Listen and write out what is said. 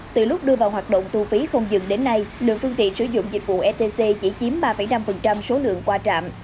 từ lúc đưa vào hoạt động thu phí không dừng đến nay lượng phương tiện sử dụng dịch vụ etc chỉ chiếm ba năm số lượng qua trạm